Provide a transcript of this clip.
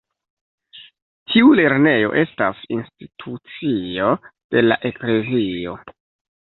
Tiu lernejo estas institucio de la eklezio.